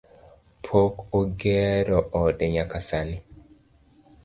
Pok ogero ode nyaka sani